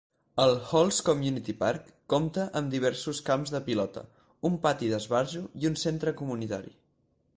El Halls Community Park compta amb diversos camps de pilota, un pati d'esbarjo i un centre comunitari.